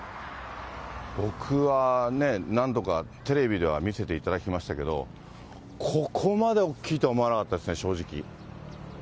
僕はね、何度かテレビでは見せていただきましたけど、ここまでおっきいと思わなかったですね、正直。